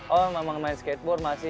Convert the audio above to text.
oh memang main skateboard masih